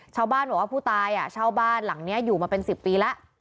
ชาวบ้านบอกว่าผู้ตายเช่าบ้านหลังนี้อยู่มาเป็น๑๐ปีแล้ว